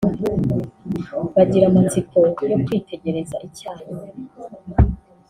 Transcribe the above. bagira amatsiko yo kwitegereza icyayi